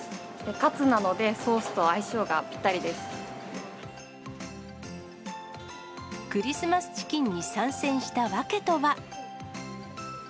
カツなので、ソースと相性がぴっクリスマスチキンに参戦した訳とは。